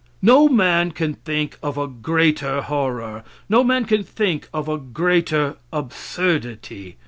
No man can think of a greater horror; no man can think of a greater absurdity.